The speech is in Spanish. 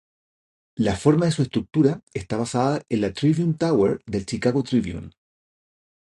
La forma de su estructura está basada en la Tribune Tower del Chicago Tribune.